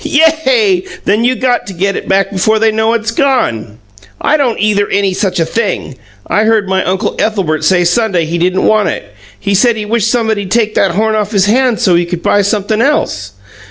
"Yay! Then you got to get it back before they know it's gone." "I don't either any such a thing! I heard my Uncle Ethelbert say Sunday he didn't want it. He said he wished somebody'd take that horn off his hands so's he could buy sumpthing else.